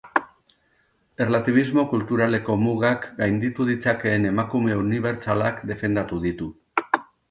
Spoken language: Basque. Erlatibismo kulturaleko mugak gainditu ditzakeen emakume unibertsalak defendatu ditu.